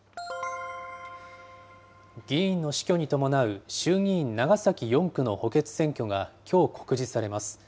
議員の死去に伴う衆議院長崎４区の補欠選挙がきょう告示されます。